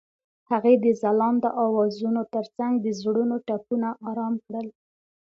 هغې د ځلانده اوازونو ترڅنګ د زړونو ټپونه آرام کړل.